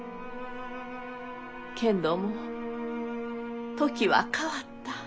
けんども時は変わった。